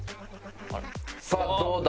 さあどうだ？